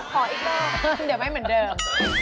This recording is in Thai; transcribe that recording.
ขออีกรอบเดี๋ยวไม่เหมือนเดิม